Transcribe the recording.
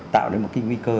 tạo nên một cái nguy cơ